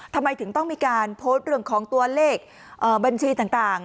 ทำไมถึงต้องมีการโพสต์เรื่องของตัวเลขบัญชีต่าง